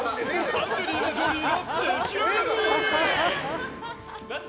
アンジェリーナ・ジョリーの出来上がり！